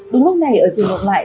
đúng lúc này ở trường hợp mại